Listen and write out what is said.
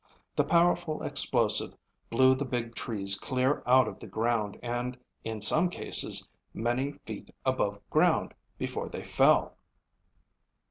The powerful explosive blew the big trees clear out of the ground and in some cases many feet above ground before they fell.